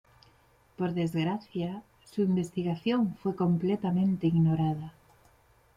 Por desgracia, su investigación fue completamente ignorada.